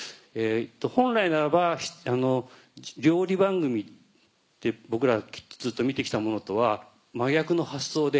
本来ならば料理番組って僕らがずっと見て来たものとは真逆の発想で。